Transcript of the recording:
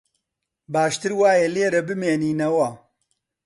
باشتر وایە لێرە بمێنییەوە